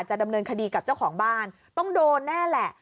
ดำเนินคดีกับเจ้าของบ้านต้องโดนแน่แหละ